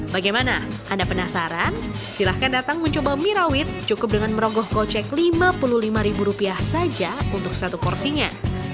bagaimana anda penasaran silahkan datang mencoba mie rawit cukup dengan merogoh kocek lima puluh lima saja untuk satu porsinya